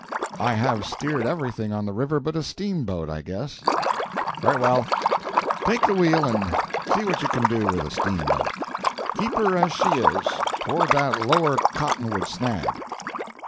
"I have steered everything on the river but a steamboat, I guess." "Very well. Take the wheel and see what you can do with a steamboat. Keep her as she is toward that lower cottonwood snag."